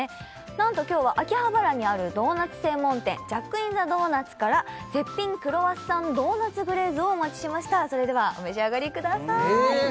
なんと今日は秋葉原にあるドーナツ専門店ジャックインザドーナツから絶品クロワッサンドーナツグレーズをお持ちしましたそれではお召し上がりくださいえ